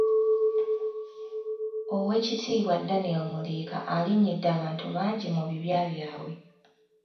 Ow’ekitiibwa Daniel Muliika alinnyidde abantu bangi mu bibya byabwe.